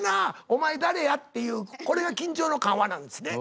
お前誰や？」っていうこれが緊張の緩和なんですね。